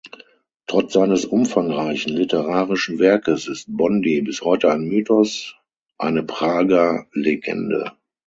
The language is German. Trotz seines umfangreichen literarischen Werkes ist Bondy bis heute ein Mythos, eine Prager Legende.